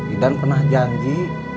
idan pernah janji